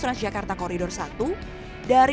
tidak dipilih untuk berkongsi